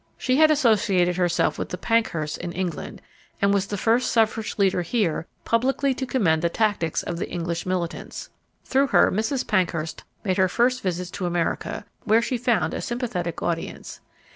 She had associated herself with the Pankhursts in England and was the first suffrage leader here publicly to commend the tactics of the English militants. Through her, Mrs. Pankhurst made her first visits to America, where she found a sympathetic audience.